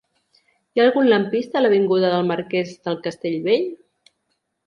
Hi ha algun lampista a l'avinguda del Marquès de Castellbell?